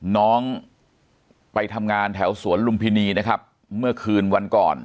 น้องไปทำงานแถวสวนลุมพินีนะครับเมื่อคืนวันก่อน